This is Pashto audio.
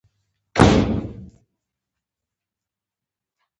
لومړی په دې تمرکز وکړئ چې نن ورځ چېرته ياستئ.